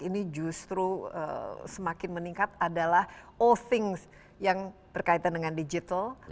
ini justru semakin meningkat adalah all things yang berkaitan dengan digital